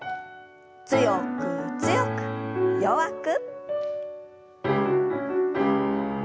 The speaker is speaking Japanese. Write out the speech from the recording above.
強く強く弱く。